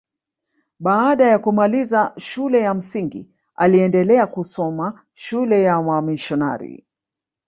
Baada ya kumaliza shule ya msingi aliendelea kusoma shule ya wamisionari